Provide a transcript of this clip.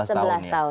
sebelas tahun ya